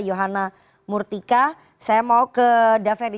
yohana murtika saya mau ke daveni